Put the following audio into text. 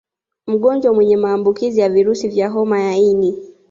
Mgonjwa mwenye maambukizi ya virusi vya homa ya ini